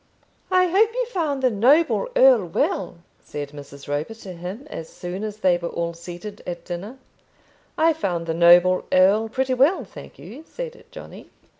"I hope you found the noble earl well," said Mrs. Roper to him, as soon as they were all seated at dinner. "I found the noble earl pretty well, thank you," said Johnny.